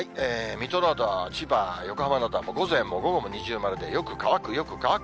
水戸など、千葉、横浜などは午前も午後も二重丸でよく乾く、よく乾く。